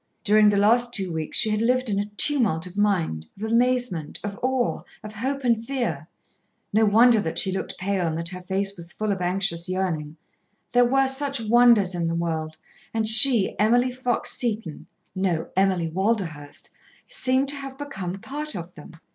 During the last two weeks she had lived in a tumult of mind, of amazement, of awe, of hope and fear. No wonder that she looked pale and that her face was full of anxious yearning. There were such wonders in the world, and she, Emily Fox Seton, no, Emily Walderhurst, seemed to have become part of them.